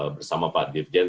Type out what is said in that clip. bersama pak dirjen